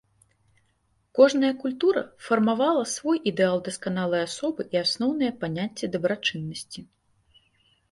Кожная культура фармавала свой ідэал дасканалай асобы і асноўныя паняцці дабрачыннасці.